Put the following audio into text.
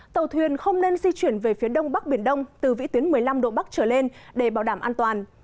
tàu thuyền không nên di chuyển về phía đông bắc biển đông từ vĩ tuyến một mươi năm độ bắc trở lên để bảo đảm an toàn